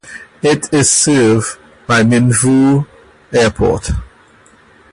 It is served by Minvoul Airport.